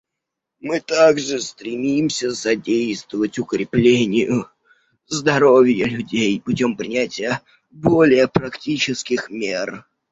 Мы также стремимся содействовать укреплению здоровья людей путем принятия более практических мер.